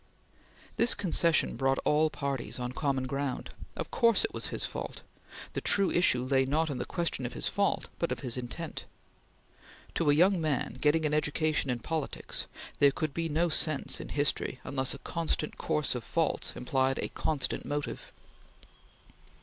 This concession brought all parties on common ground. Of course it was his fault! The true issue lay not in the question of his fault, but of his intent. To a young man, getting an education in politics, there could be no sense in history unless a constant course of faults implied a constant motive.